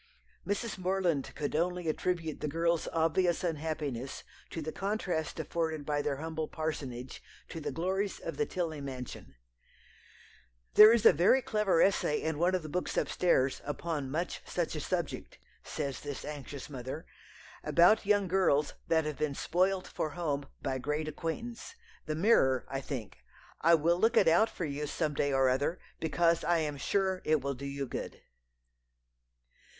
Mrs. Morland could only attribute the girl's obvious unhappiness to the contrast afforded by their humble parsonage to the glories of the Tilney mansion, "There is a very clever essay in one of the books up stairs, upon much such a subject," says this anxious mother, "about young girls that have been spoilt for home by great acquaintance The Mirror, I think. I will look it out for you some day or other, because I am sure it will do you good."